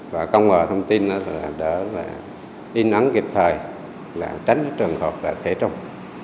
và công nghệ thông tin đó là đỡ và in ấn kịp thời là tránh trường hợp là thế trùng